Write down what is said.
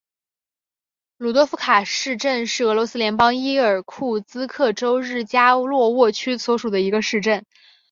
鲁多夫卡市镇是俄罗斯联邦伊尔库茨克州日加洛沃区所属的一个市镇。